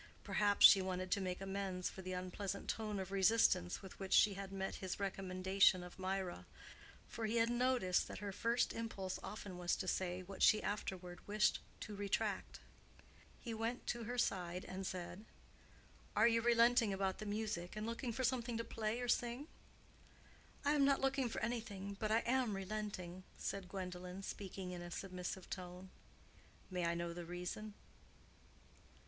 Perhaps she wanted to make amends for the unpleasant tone of resistance with which she had met his recommendation of Mirah, for he had noticed that her first impulse often was to say what she afterward wished to retract. He went to her side and said, "Are you relenting about the music and looking for something to play or sing?" "I am not looking for anything, but I am relenting," said Gwendolen, speaking in a submissive tone. "May I know the reason?"